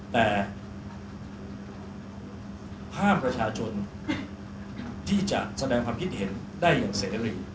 แต่ภาพประชาชนที่จะแสดงความคิดเห็นได้อย่างเสรี